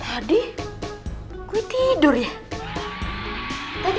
hai tadi gue tidur ya tadi